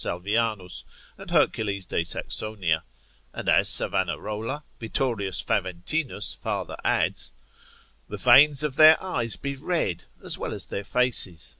Salvianus, and Hercules de Saxonia. And as Savanarola, Vittorius Faventinus Emper. farther adds, the veins of their eyes be red, as well as their faces.